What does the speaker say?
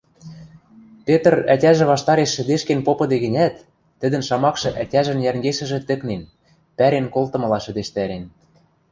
Петр ӓтяжӹ ваштареш шӹдешкен попыде гӹнят, тӹдӹн шамакшы ӓтяжӹн йӓнгешӹжӹ тӹкнен, пӓрен колтымыла шӹдештӓрен.